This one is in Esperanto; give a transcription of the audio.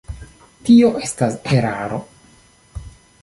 Tio estas eraro.